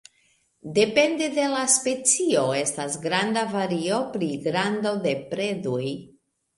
Depende de la specio estas granda vario pri grando de predoj.